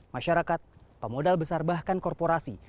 masyarakat pemodal besar bahkan korporasi